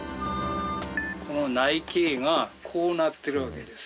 この内径がこうなってるわけです